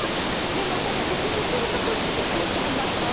その備蓄している食品ってどうしてはりますか？